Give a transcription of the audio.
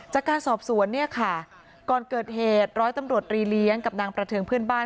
จากการสอบสวนเนี่ยค่ะก่อนเกิดเหตุร้อยตำรวจรีเลี้ยงกับนางประเทิงเพื่อนบ้าน